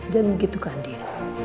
jangan begitu kandir